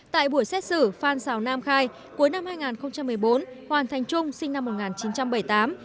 tại buổi xét xử phan xào nam khai cuối năm hai nghìn một mươi bốn hoàng thành trung sinh năm một nghìn chín trăm bảy mươi tám